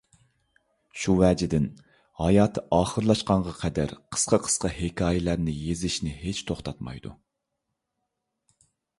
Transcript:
شۇ ۋەجىدىن، ھاياتى ئاخىرلاشقانغا قەدەر قىسقا-قىسقا ھېكايىلەرنى يېزىشنى ھېچ توختاتمايدۇ.